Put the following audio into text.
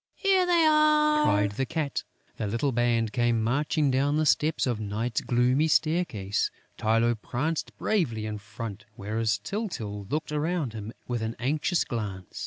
"Here they are!" cried the Cat. The little band came marching down the steps of Night's gloomy staircase. Tylô pranced bravely in front, whereas Tyltyl looked around him with an anxious glance.